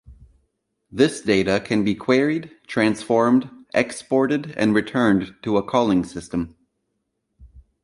This data can be queried, transformed, exported and returned to a calling system.